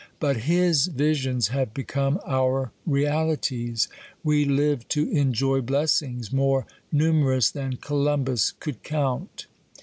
But his visions have become 9ur realities. We live to enjoy blessings, more numer ous than Columbus could count.